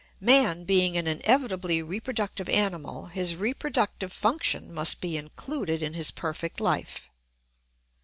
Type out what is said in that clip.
Man being an inevitably reproductive animal his reproductive function must be included in his perfect life.